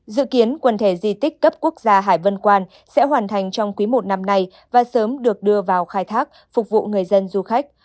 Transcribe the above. dự kiến quần thể di tích cấp quốc gia hải vân quan sẽ hoàn thành trong quý i năm nay và sớm được đưa vào khai thác phục vụ người dân du khách